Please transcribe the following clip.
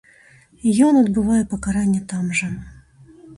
Ён адбывае пакаранне там жа.